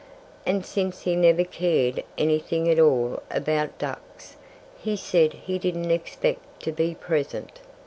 And since he never cared anything at all about ducks, he said he didn't expect to be present.